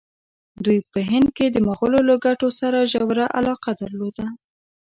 دوی په هند کې د مغولو له ګټو سره ژوره علاقه درلوده.